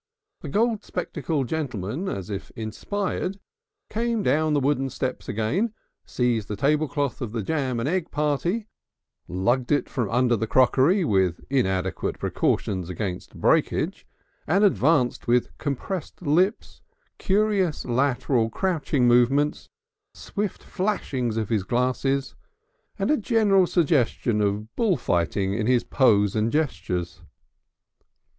The gold spectacled gentleman, as if inspired, came down the wooden steps again, seized the tablecloth of the jam and egg party, lugged it from under the crockery with inadequate precautions against breakage, and advanced with compressed lips, curious lateral crouching movements, swift flashings of his glasses, and a general suggestion of bull fighting in his pose and gestures.